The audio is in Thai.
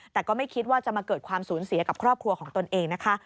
แต่ก็ไม่คิดว่าจะมาเกิดความสูญเสียกับครอบครัวของตนเองนะคะ